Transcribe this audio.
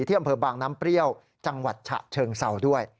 อำเภอบางน้ำเปรี้ยวจังหวัดฉะเชิงเศร้าด้วย